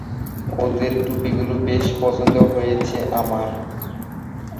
ওদের টুপিগুলো বেশ পছন্দ হয়েছে আমার!